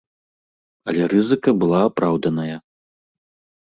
Але рызыка была апраўданая.